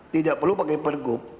tidak perlu pakai pergub